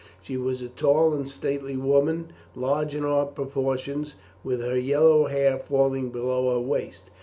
She was a tall and stately woman, large in her proportions, with her yellow hair falling below her waist.